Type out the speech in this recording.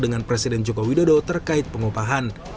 dengan presiden joko widodo terkait pengupahan